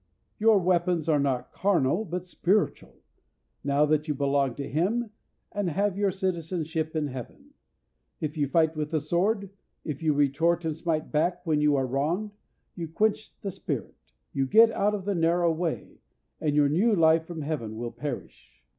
Your weapons are not carnal, but spiritual, now that you belong to Him, and have your citizenship in Heaven. If you fight with the sword; if you retort and smite back when you are wronged, you quench the Spirit; you get out of the narrow way, and your new life from Heaven will perish.